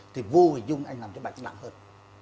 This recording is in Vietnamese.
thì vô hủy dung anh làm cho bệnh nặng hơn